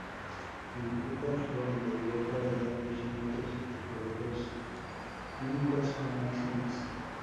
El futhark joven derivó para dar origen a otros alfabetos rúnicos con más runas.